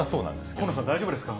近野さん、大丈夫ですか？